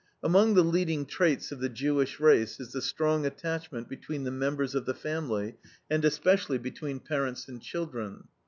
Among the leading traits of the Jewish race is the strong attachment between the members of the family, and, especially, between parents and children.